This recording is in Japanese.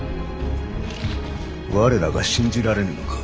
我らが信じられぬのか。